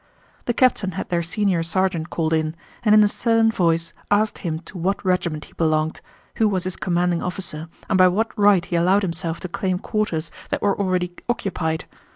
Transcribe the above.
The captain had their senior sergeant called in, and in a stern voice asked him to what regiment he belonged, who was his commanding officer, and by what right he allowed himself to claim quarters that were already occupied.